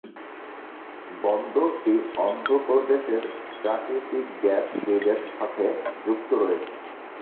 বন্দরটি অন্ধ্রপ্রদেশের প্রাকৃতিক গ্যাস গ্রিডের সঙ্গে যুক্ত রয়েছে।